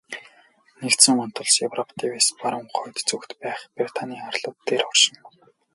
Нэгдсэн вант улс Европ тивээс баруун хойд зүгт байх Британийн арлууд дээр оршино.